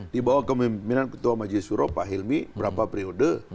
dibawa ke pembinaan ketua majelis suro pak hilmi berapa periode